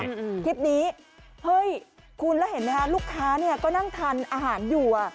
คลิปนี้เฮ้ยแล้วเห็นงั้นลูกค้าก็นั่งกินอาหารอยู่